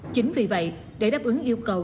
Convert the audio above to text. chính vì vậy để đáp ứng yêu cầu